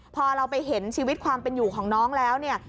พอเราไปเห็นชีวิตความเป็นอยู่ของน้องแล้วเนี่ย